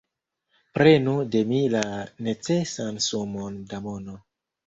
Prenu de mi la necesan sumon da mono!